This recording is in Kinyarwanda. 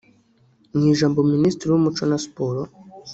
Mu ijambo Minisitiri w’umuco na siporo